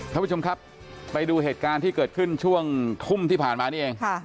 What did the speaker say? ท่านผู้ชมครับไปดูเหตุการณ์ที่เกิดขึ้นช่วงทุ่มที่ผ่านมานี่เอง